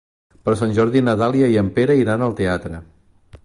Per Sant Jordi na Dàlia i en Pere iran al teatre.